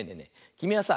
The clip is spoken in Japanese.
きみはさ